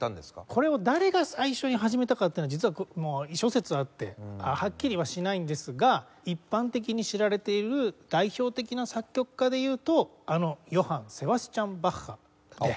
これを誰が最初に始めたかっていうのは実は諸説あってはっきりはしないんですが一般的に知られている代表的な作曲家でいうとあのヨハン・セバスチャン・バッハで。